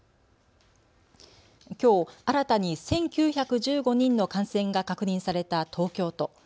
きょう新たに１９１５人の感染が確認された東京都。